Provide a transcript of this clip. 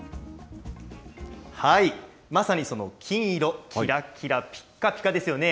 まさにその金色、きらきらぴっかぴかですよね。